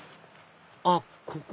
あっここ？